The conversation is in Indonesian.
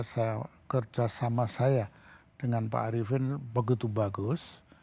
saya kerja sama saya dengan pak ariefin begitu bagus